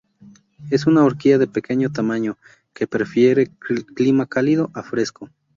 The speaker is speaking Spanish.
Es una orquídea de pequeño tamaño, que prefiere clima cálido a fresco.